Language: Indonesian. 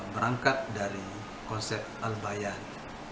berangkat dari konsep al bayan